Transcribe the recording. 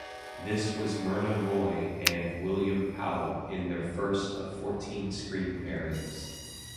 This was Myrna Loy and William Powell in their first of fourteen screen pairings.